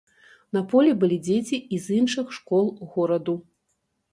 На полі былі дзеці і з іншых школ гораду.